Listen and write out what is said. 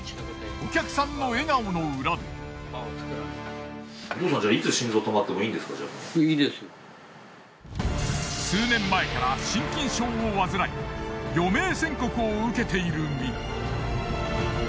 お父さんじゃあ数年前から心筋症を患い余命宣告を受けている身。